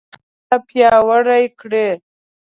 دفاعي ملګرتیا پیاوړې کړي